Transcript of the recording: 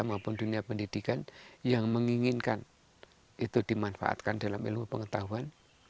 maupun dunia pendidikan yang menginginkan itu dimanfaatkan dalam ilmu pengetahuan